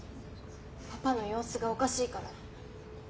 パパの様子がおかしいから。